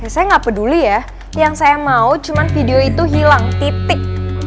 saya nggak peduli ya yang saya mau cuma video itu hilang titik